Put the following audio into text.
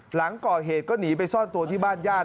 หลังก่อเหตุก็หนีไปซ่อนตัวที่บ้านญาติ